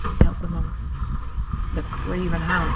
yelled the monks. The craven hound!